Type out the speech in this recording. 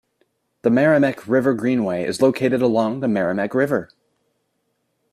The Meramec River Greenway is located along the Meramec River.